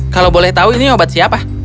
kalau boleh tahu ini obat siapa